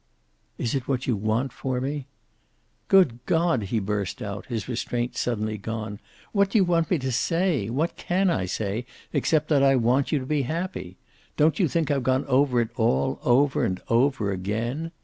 "Is it what you want for me?" "Good God!" he burst out, his restraint suddenly gone. "What do you want me to say? What can I say, except that I want you to be happy? Don't you think I've gone over it all, over and over again?